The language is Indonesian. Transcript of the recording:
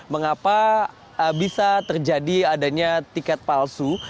mengapa bisa terjadi adanya tiket palsu